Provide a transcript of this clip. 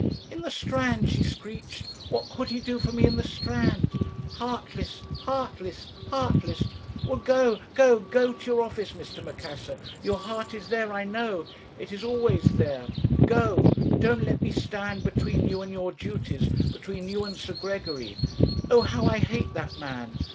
"'In the Strand!' she screeched. 'What could he do for me in the Strand? Heartless heartless heartless! Well, go go go to your office, Mr. Macassar; your heart is there, I know. It is always there. Go don't let me stand between you and your duties between you and Sir Gregory. Oh! how I hate that man!